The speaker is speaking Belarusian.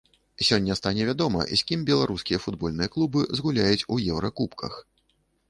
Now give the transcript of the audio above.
Сёння стане вядома, з кім беларускія футбольныя клубы згуляюць у еўракубках.